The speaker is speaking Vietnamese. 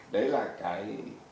đấy là cái